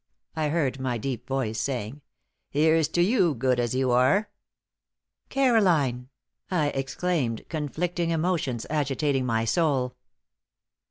I heard my deep voice saying. "Here's to you, good as you are!" "Caroline!" I exclaimed, conflicting emotions agitating my soul.